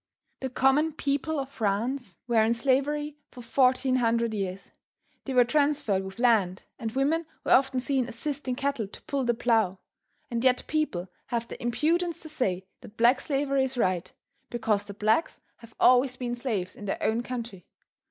The common people of France were in slavery for fourteen hundred years. They were transferred with land, and women were often seen assisting cattle to pull the plough, and yet people have the impudence to say that black slavery is right, because the blacks have always been slaves in their own country.